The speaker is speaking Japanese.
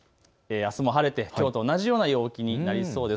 あすも晴れてきょうと同じような陽気になりそうです。